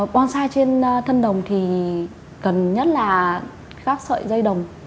bonsai trên thân đồng thì cần nhất là các sợi dây đồng